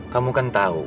kamu kan tau